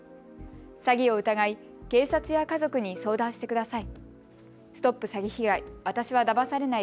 詐欺を疑い警察や家族に相談してください。